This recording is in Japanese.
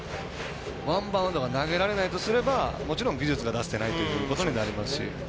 ワンバウンドが投げられないとすればもちろん技術が出せてないということになりますし。